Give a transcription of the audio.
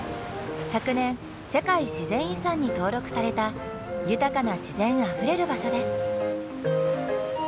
昨年世界自然遺産に登録された豊かな自然あふれる場所です。